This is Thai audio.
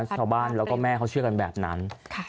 ชาวบ้านแล้วก็แม่เขาเชื่อกันแบบนั้น